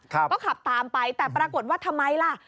ก็ขับตามไปแต่ปรากฏว่าทำไมล่ะ